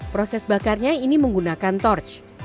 proses bakarnya ini menggunakan torch